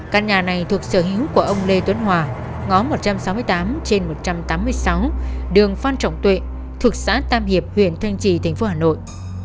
căn nhà này thuộc sở hữu của ông lê tuấn hòa ngõ một trăm sáu mươi tám trên một trăm tám mươi sáu đường phan trọng tuệ thuộc xã tam hiệp huyện thanh trì tp hà nội